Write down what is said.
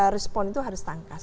respon itu harus tangkas